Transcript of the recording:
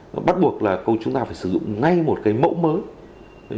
nó bắt buộc là chúng ta phải sử dụng ngay một cái mẫu mới